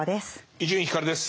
伊集院光です。